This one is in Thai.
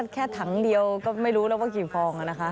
แค่ถังเดียวก็ไม่รู้แล้วว่ากี่ฟองนะคะ